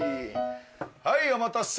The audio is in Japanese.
はいお待たせ。